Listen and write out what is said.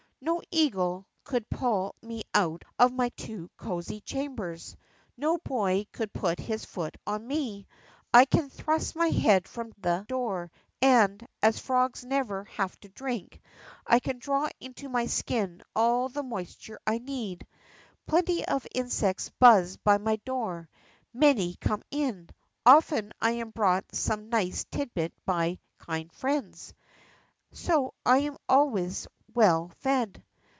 Xo eagle could pull me out of my two cosy chambers. Xo boy could put his foot on me. I can thrust my head from the door, and, as frogs never have to drink, I can draw into my skin all the moisture I need. Plenty of insects buzz by my door, many come in, often I am brought some nice tidbit by kind friends, so I am always well fed."